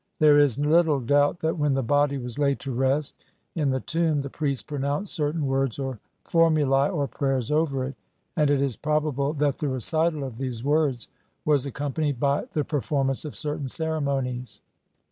There is little doubt that when the body was laid to rest in the tomb, the priest pronounced certain words or for mulae or prayers over it, and it is probable that the recital of these w r ords was accompanied by the per formance of certain ceremonies.